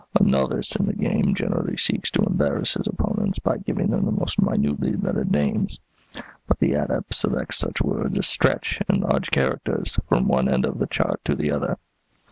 A novice in the game generally seeks to embarrass his opponents by giving them the most minutely lettered names; but the adept selects such words as stretch, in large characters, from one end of the chart to the other.